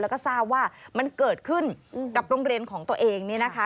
แล้วก็ทราบว่ามันเกิดขึ้นกับโรงเรียนของตัวเองเนี่ยนะคะ